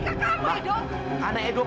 kamu itu jangan diputarkan oleh cinta